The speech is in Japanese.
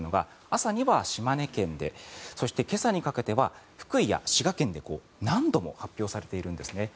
朝には島根県でそして今朝にかけては福井や滋賀県で何度も発表されているんですね。